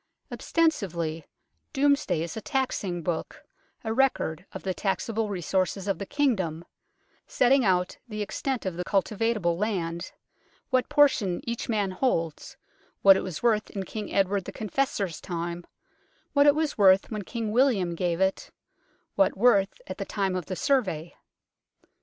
Ostensibly Domesday is a taxing book, a record of the taxable resources of the Kingdom, setting out the extent of the cultivable land, what portion each man holds, what it was worth in King Edward the Confessor's time, what it was worth when King William gave it, what worth at the time of the Survey.